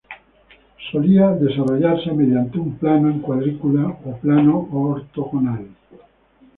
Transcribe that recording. Solía desarrollarse mediante un plano en cuadrícula o plano ortogonal.